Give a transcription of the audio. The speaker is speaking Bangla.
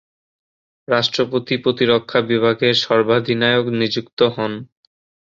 রাষ্ট্রপতি প্রতিরক্ষা বিভাগের সর্বাধিনায়ক নিযুক্ত হন।